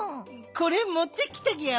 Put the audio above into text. これもってきたギャオ。